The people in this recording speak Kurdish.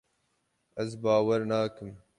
Ez bawer nakim.